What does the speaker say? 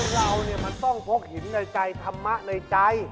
เราเนี่ยมันต้องพกหินในใจธรรมะในใจ